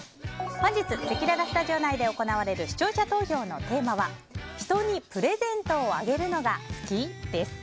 本日せきららスタジオ内で行われる視聴者投票のテーマは人にプレゼントをあげるのが好き？です。